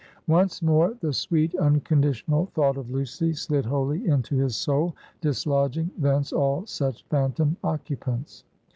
Once more, the sweet unconditional thought of Lucy slid wholly into his soul, dislodging thence all such phantom occupants.